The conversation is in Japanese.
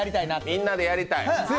みんなでやりたい。